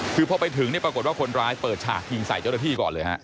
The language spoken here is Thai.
คือพอไปถึงปรากฏว่าคนร้ายเปิดฉากยิงใส่เจ้าหน้าที่ก่อนเลยฮะ